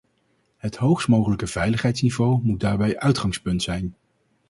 Het hoogst mogelijk veiligheidsniveau moet daarbij uitgangspunt zijn.